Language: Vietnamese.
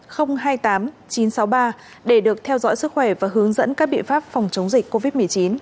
hoặc chín trăm một mươi năm hai mươi tám chín trăm sáu mươi ba để được theo dõi sức khỏe và hướng dẫn các biện pháp phòng chống dịch covid một mươi chín